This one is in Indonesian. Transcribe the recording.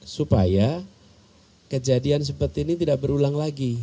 supaya kejadian seperti ini tidak berulang lagi